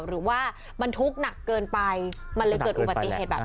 หรือว่าบรรทุกหนักเกินไปมันเลยเกิดอุบัติเหตุแบบนี้